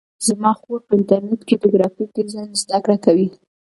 زما خور په انټرنیټ کې د گرافیک ډیزاین زده کړه کوي.